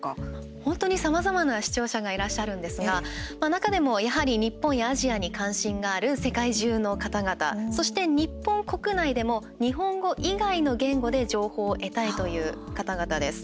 本当にさまざまな視聴者がいらっしゃるんですが中でも、やはり日本やアジアに関心がある世界中の方々そして、日本国内でも日本語以外の言語で情報を得たいという方々です。